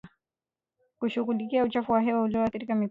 kushughulikia uchafuzi wa hewa unaokithiri mipaka